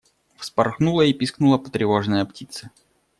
Вспорхнула и пискнула потревоженная птица.